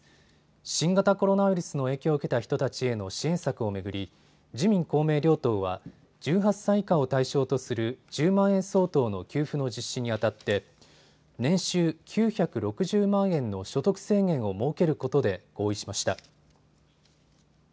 新型コロナウイルスの影響を受けた人たちへの支援策を巡り自民公明両党は１８歳以下を対象とする１０万円相当の給付の実施にあたって年収９６０万円の所得制限を設けることで合意しました。